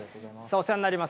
お世話になります。